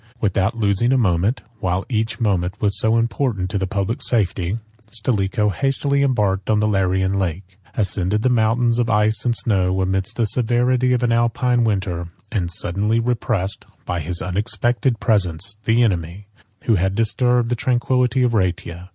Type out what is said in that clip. Without losing a moment, (while each moment was so important to the public safety,) Stilicho hastily embarked on the Larian Lake, ascended the mountains of ice and snow, amidst the severity of an Alpine winter, and suddenly repressed, by his unexpected presence, the enemy, who had disturbed the tranquillity of Rhaetia.